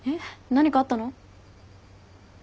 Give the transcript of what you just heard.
何かあったの？